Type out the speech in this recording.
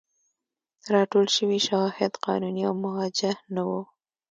راټول شوي شواهد قانوني او موجه نه وو.